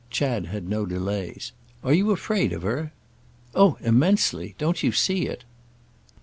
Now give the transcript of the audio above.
Chad had no delays. "Are you afraid of her?" "Oh immensely. Don't you see it?"